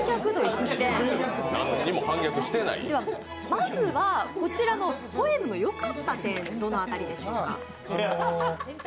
まずは、こちらのポエムの良かった点、どの辺りでしょうか。